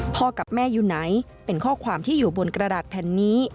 กับแม่อยู่ไหนเป็นข้อความที่อยู่บนกระดาษแผ่นนี้